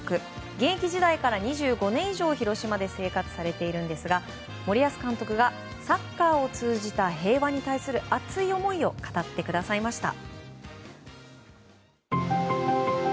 現役時代から２５年以上広島で生活されているんですが森保監督がサッカーを通じた平和に対する熱い思いを語ってくださいました。